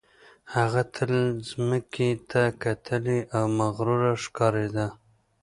هغه تل ځمکې ته کتلې او مغروره ښکارېده